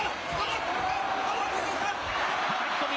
はたき込み。